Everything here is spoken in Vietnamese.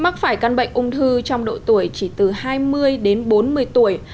mắc phải căn bệnh ung thư trong độ tuổi chỉ từ hai mươi đến bốn mươi tuổi